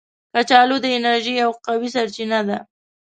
کچالو د انرژي یو قوي سرچینه ده